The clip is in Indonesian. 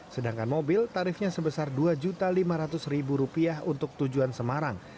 sedangkan mobil tarifnya sebesar rp dua lima ratus untuk tujuan semarang